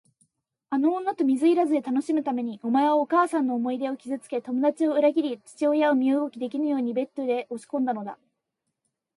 あの女と水入らずで楽しむために、お前はお母さんの思い出を傷つけ、友だちを裏切り、父親を身動きできぬようにベッドへ押しこんだのだ。